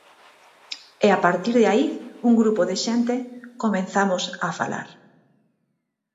E a partir de aí un grupo de xente comezamos a falar.